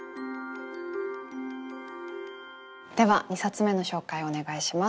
では２冊目の紹介をお願いします。